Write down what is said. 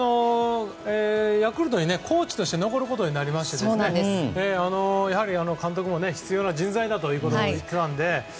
ヤクルトにコーチとして残ることになりまして監督も必要な人材だと言ってたので。